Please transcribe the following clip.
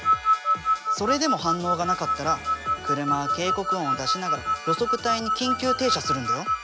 それでも反応がなかったら車は警告音を出しながら路側帯に緊急停車するんだよ。